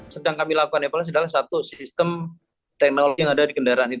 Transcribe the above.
sedang kami lakukan evaluasi adalah satu sistem teknologi yang ada di kendaraan itu